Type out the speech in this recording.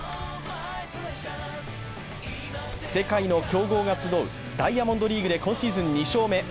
世界の強豪が集うダイヤモンドリーグで今シーズン２勝目。